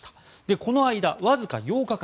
この間、わずか８日間